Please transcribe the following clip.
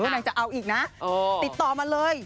นางจะเอาอีกนะติดต่อมาเลย